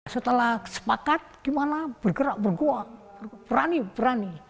setelah sepakat gimana bergerak bergerak berani berani